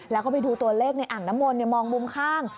แล้วก็ไปดูตัวเลขในอ่างน้ำมนต์มองมุมข้าง